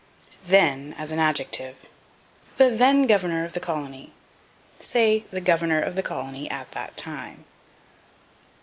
Then as an Adjective. "The then governor of the colony." Say, the governor of the colony at that time.